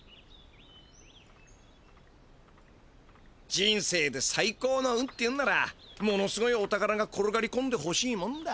人生でさい高の運っていうならものすごいお宝が転がりこんでほしいもんだ。